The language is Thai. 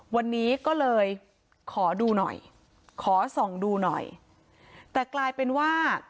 วันนี้ก็เลยขอดูหน่อยขอส่องดูหน่อยแต่กลายเป็นว่า